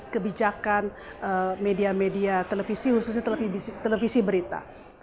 kebijakan media media televisi khususnya televisi berita